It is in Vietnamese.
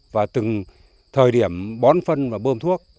và từng thời điểm bón phân và bơm thuốc